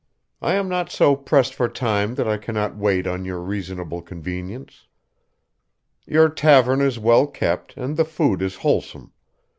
I am not so pressed for time that I cannot wait on your reasonable convenience. Your tavern is well kept and the food is wholesome.